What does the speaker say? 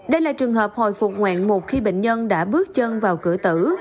đây là trường hợp hồi phục ngoạn mục khi bệnh nhân đã bước chân vào cửa tử